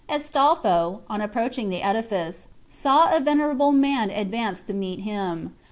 Astolpho, on approaching the edifice, saw a venerable man advance to meet him.